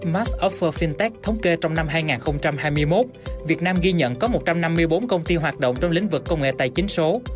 max offer fintech thống kê trong năm hai nghìn hai mươi một việt nam ghi nhận có một trăm năm mươi bốn công ty hoạt động trong lĩnh vực công nghệ tài chính số